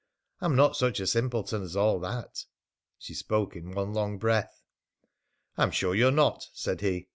I'm not such a simpleton as all that." She spoke in one long breath. "I'm sure you're not," said he.